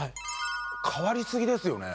変わりすぎですよね。